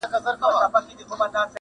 بد ښکارېږم چي وړوکی یم، سلطان یم!